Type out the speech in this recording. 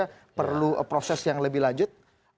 tentu saja perlu proses yang lebih lanjut